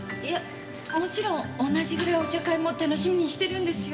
もちろん同じくらいお茶会も楽しみにしてるんですよ。